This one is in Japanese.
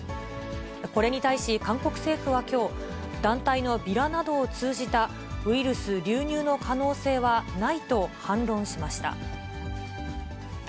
これに対し、韓国政府はきょう、団体のビラなどを通じたウイルス流入の可能性はないと反論しました。